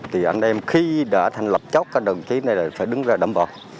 thì anh em khi đã thành lập chốt các đồng chí này phải đứng ra đảm bảo